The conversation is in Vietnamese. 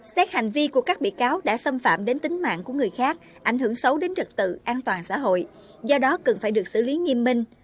xét hành vi của các bị cáo đã xâm phạm đến tính mạng của người khác ảnh hưởng xấu đến trực tự an toàn xã hội do đó cần phải được xử lý nghiêm minh